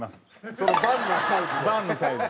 そのバンのサイズで？